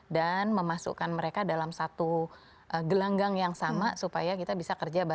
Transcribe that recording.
dan memasukkan mereka dalam satu gelanggang yang sama supaya mereka bisa berpengalaman